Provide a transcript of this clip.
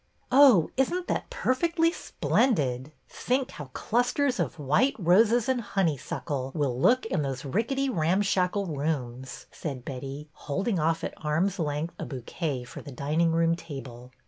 " Oh, is n't that perfectly splendid ! Think how clusters of white roses and honeysuckle will look in those rickety, ramshackle rooms," said Betty, holding off at arm's length a bouquet for the dining room table.